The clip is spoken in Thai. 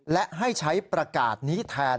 และให้ใช้ประกาศนี้แทน